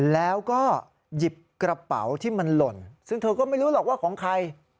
แล้วก็หยิบกระเป๋าที่มันหล่นซึ่งเธอก็ไม่รู้หรอกว่าของใคร